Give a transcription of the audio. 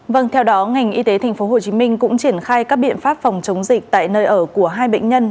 vâng theo đó ngành y tế tp hcm cũng triển khai các biện pháp phòng chống dịch tại nơi ở của hai bệnh nhân